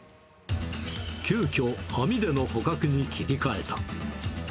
急きょ、網での捕獲に切り替えた。